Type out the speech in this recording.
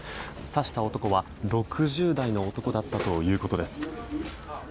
刺した男は、６０代の男だったということです。